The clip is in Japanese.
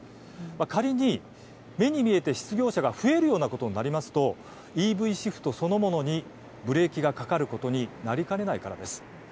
仮に、目に見えて失業者が増えるようなことになりますとＥＶシフトそのものにブレーキがかかることになりかねないからです。